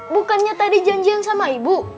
bukannya tadi janjian sama ibu